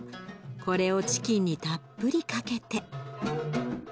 これをチキンにたっぷりかけて。